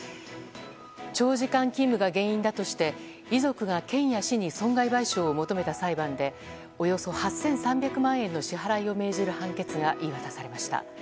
長時間勤務が原因だとして遺族が県や市に損害賠償を求めた裁判でおよそ８３００万円の支払いを命じる判決が言い渡されました。